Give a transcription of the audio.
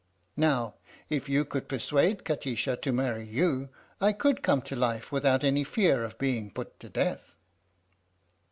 Now if you could per suade Kati sha to marry you, I could come to life without any fear of being put to death."